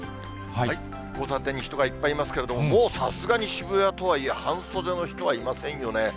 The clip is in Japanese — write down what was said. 交差点に人がいっぱいいますけど、もうさすがに渋谷とはいえ、半袖の人はいませんよね。